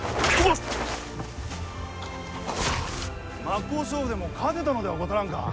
真っ向勝負でも勝てたのではござらんか？